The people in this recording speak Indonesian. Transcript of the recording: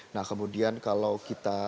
nah kemudian kalau kita